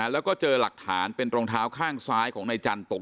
แล้วก็เจอหลักฐานเป็นรองเท้าข้างซ้ายของนายจันตก